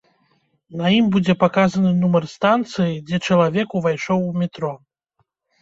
На ім будзе паказаны нумар станцыі, дзе чалавек увайшоў у метро.